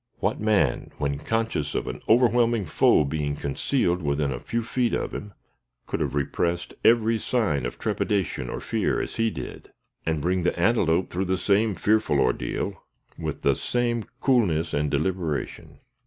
What man, when conscious of an overwhelming foe being concealed within a few feet of him, could have repressed every sign of trepidation or fear, as he did, and bring the antelope through the same fearful ordeal, with the same coolness and deliberation?"